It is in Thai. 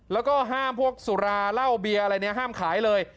แล้วก็ห้ามพวกสุราเหล้าเบียร์อะไรเนี่ยห้ามขายเลย